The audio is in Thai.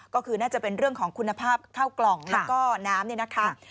ก็คือน่าจะเป็นเรื่องของคุณภาพข้าวกล่องแล้วก็น้ำเนี่ยนะคะ